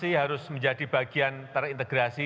masih harus menjadi bagian terintegrasi